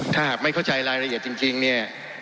ถ้าหากไม่เข้าใจรายละเอียดจริงเนี่ย